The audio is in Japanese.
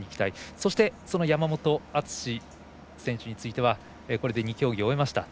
そして、山本篤選手についてはこれで２競技終えました。